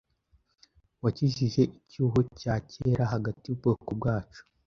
Wakijije icyuho cya kera hagati yubwoko bwacu